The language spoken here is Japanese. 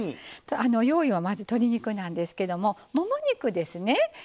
用意は、まず鶏肉なんですけどもも肉です。